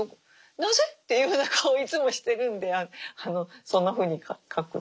「なぜ？」っていうふうな顔をいつもしてるんでそんなふうに描くとか。